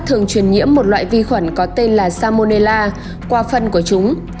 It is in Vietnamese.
thường truyền nhiễm một loại vi khuẩn có tên là salmonella qua phân của chúng